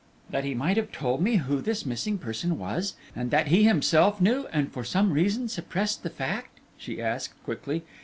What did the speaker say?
"That he might have told me who this missing person was, and that he himself knew; and for some reason suppressed the fact?" she asked, quickly.